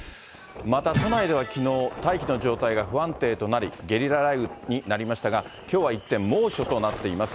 また都内ではきのう、大気の状態が不安定となり、ゲリラ雷雨になりましたが、きょうは一転、猛暑となっています。